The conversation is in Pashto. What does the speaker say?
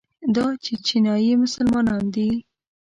دا چیچنیایي مسلمانان دي.